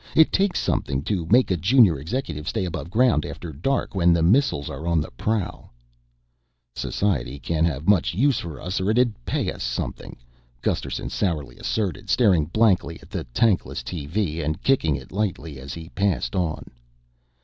It takes something to make a junior executive stay aboveground after dark, when the missiles are on the prowl." "Society can't have much use for us or it'd pay us something," Gusterson sourly asserted, staring blankly at the tankless TV and kicking it lightly as he passed on.